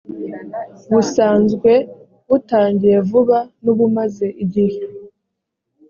busanzwe butangiye vuba n’ubumaze igihe